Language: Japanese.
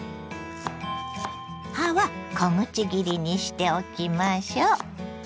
葉は小口切りにしておきましょ。